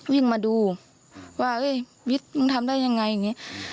วิ่งมาดูว่าวิทย์มึงทำได้ยังไงอย่างนี้